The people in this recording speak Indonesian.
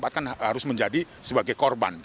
jadi anaknya itu akan harus menjadi sebagai korban